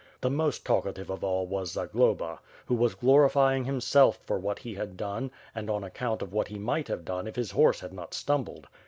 The most talkative of all was Zagloba, who was glorifying himself for what he had done, and on account of what he might have done if his horse had not stumbled.